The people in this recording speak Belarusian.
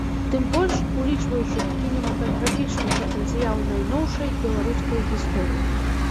Тым больш, улічваючы кінематаграфічны патэнцыял найноўшай беларускай гісторыі.